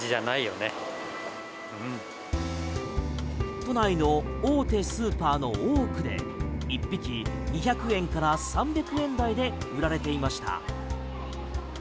都内の大手スーパーの多くで１匹２００円から３００円台で売られていました。